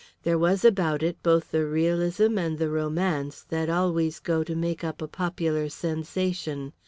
There was about it both the realism and the romance that always go to make up a popular sensation.